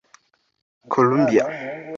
Columbia